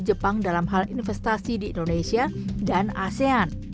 jepang dalam hal investasi di indonesia dan asean